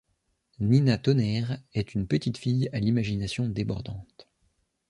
Nina Tonnerre est une petite fille à l'imagination débordante.